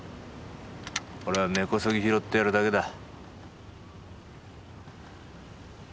俺は根こそぎ拾ってやるだけだ。